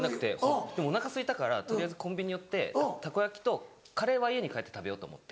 でもおなかすいたから取りあえずコンビニ寄ってたこ焼きとカレーは家に帰って食べようと思って。